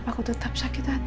aku mau siapin sarapan buat rina